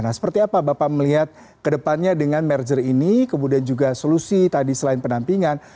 nah seperti apa bapak melihat kedepannya dengan merger ini kemudian juga solusi tadi selain penampingan